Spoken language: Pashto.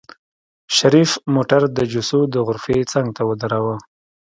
شريف موټر د جوسو د غرفې څنګ ته ودروه.